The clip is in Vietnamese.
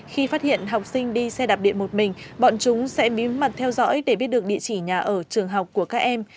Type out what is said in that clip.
khi phát hiện học sinh đi xe đạp điện một mình bọn chúng sẽ bí mật theo dõi để biết được địa chỉ nhà ở trường học của các em